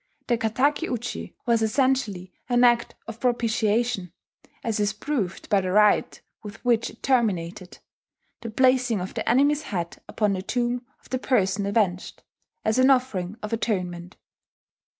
The kataki uchi was essentially an act of propitiation, as is proved by the rite with which it terminated, the placing of the enemy's head upon the tomb of the person avenged, as an offering of atonement.